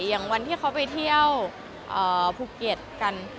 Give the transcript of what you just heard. อย่างวันที่เขาไปเที่ยวภูเก็ตกัน